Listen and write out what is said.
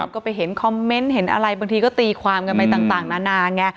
ก็ไปเห็นคอมเมนต์เห็นอะไรบางทีก็ตีความกันไปต่างนานาไง